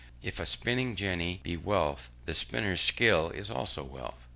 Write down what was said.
If a spinning jenny be wealth, the spinner's skill is also wealth.